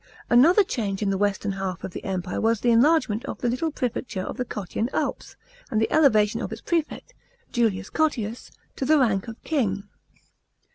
Another change in the western half of the Empire was the enlargement of the little prefecture of the Cottian Alps, and the elevation of its prefect, Julius Cottius, to the rank of king.